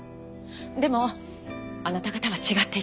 でもあなた方は違っていた。